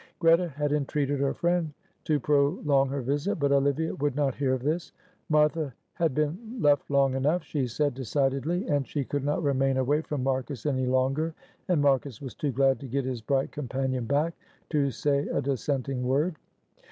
Greta had entreated her friend to prolong her visit, but Olivia would not hear of this. "Martha had been left long enough," she said, decidedly, and she could not remain away from Marcus any longer. And Marcus was too glad to get his bright companion back to say a dissenting word.